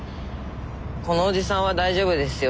このおじさんは大丈夫ですよ。